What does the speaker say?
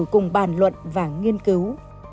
cùng bàn luận và nghiên cứu